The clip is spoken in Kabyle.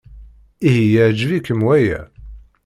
Ihi yeɛjeb-ikem waya?